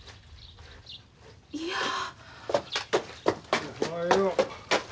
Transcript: いや。